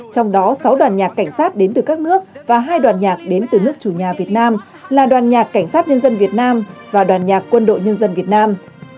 trong đó sáu đoàn nhạc cảnh sát đến từ các nước và hai đoàn nhạc đến từ nước chủ nhà việt nam là đoàn nhạc cảnh sát nhân dân việt nam và đoàn nhạc quân đội nhân dân việt nam